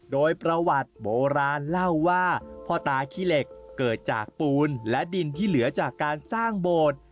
โดยประวัติโบราณเล่าว่าพ่อตาขี้เหล็กเกิดจากปูนและดินที่เหลือจากการสร้างโบสถ์